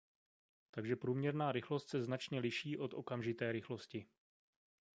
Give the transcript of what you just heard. Takže průměrná rychlost se značně liší od okamžité rychlosti.